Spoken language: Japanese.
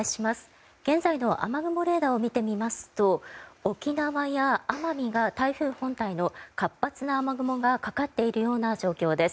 現在の雨雲レーダーを見てみますと沖縄や、奄美が台風本体の活発な雨雲がかかっているような状況です。